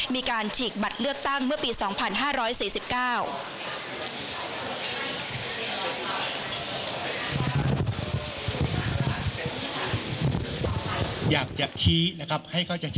ฉีกบัตรเลือกตั้งเมื่อปี๒๕๔๙